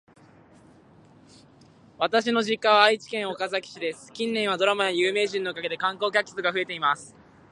私の実家は愛知県岡崎市です。近年はドラマや有名人のおかげで観光客数が増えています。